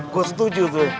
gua setuju tuh